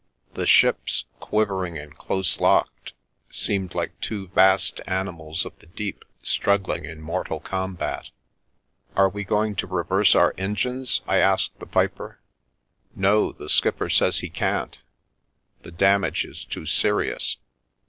The ships, quivering and dose locked, seemed like two vast animals of the deep strug gling in mortal combat. " Are we going to reverse our engines ?" I asked the piper. "No, the skipper says he can't, the damage is too serious.